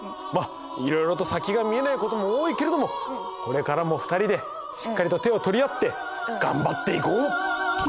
まっいろいろと先が見えないことも多いけれどもこれからも２人でしっかりと手を取り合って頑張っていこう！